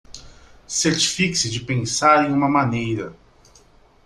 Certifique-se de pensar em uma maneira